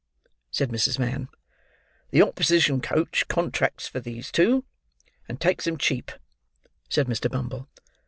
said Mrs. Mann. "The opposition coach contracts for these two; and takes them cheap," said Mr. Bumble.